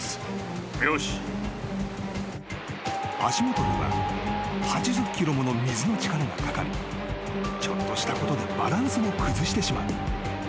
［足元には８０キロもの水の力がかかりちょっとしたことでバランスを崩してしまう］